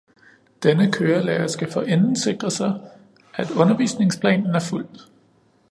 Denne kørelærer skal forinden sikre sig, at undervisningsplanen er fulgt